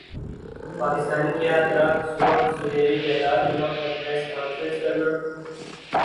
پاکستانی کَیا طرح صبح سویرے بیدار ہونا اور پریس کانفرنس کرنا